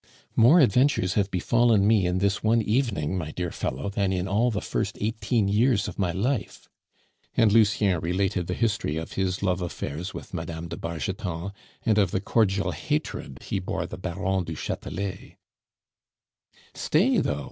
"More adventures have befallen me in this one evening, my dear fellow, than in all the first eighteen years of my life." And Lucien related the history of his love affairs with Mme. de Bargeton, and of the cordial hatred he bore the Baron du Chatelet. "Stay though!